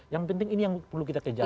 yang penting ini yang perlu kita kejar